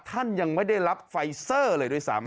ท่านยังไม่ได้รับไฟเซอร์เลยด้วยซ้ำ